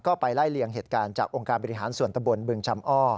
ก็ไปไล่เลี่ยงเหตุการณ์จากองค์การบริหารส่วนตะบนบึงชำอ้อ